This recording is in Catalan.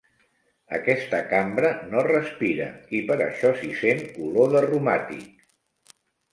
Aquesta cambra no respira i per això s'hi sent olor de romàtic.